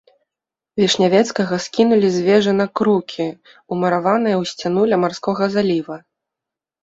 Вішнявецкага скінулі з вежы на крукі, умураваныя ў сцяну ля марскога заліва.